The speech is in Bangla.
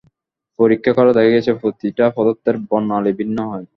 পরীক্ষা করে দেখা গেছে, প্রতিটা পদার্থের বর্ণালি ভিন্ন হয়।